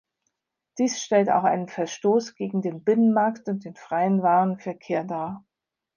Dies stellt auch einen Verstoß gegen den Binnenmarkt und den freien Warenverkehr dar.